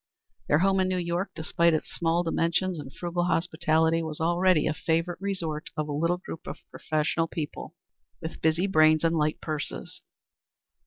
Their home in New York, despite its small dimensions and frugal hospitality, was already a favorite resort of a little group of professional people with busy brains and light purses.